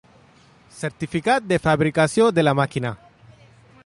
Certificat de fabricació de la màquina.